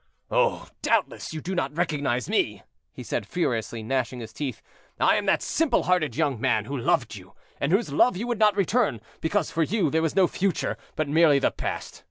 "Oh! doubtless you do not recognize me," he said furiously, gnashing his teeth; "I am that simple hearted young man who loved you, and whose love you would not return, because for you there was no future, but merely the past.